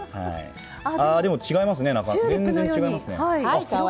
でも違いますね全然、違いますね。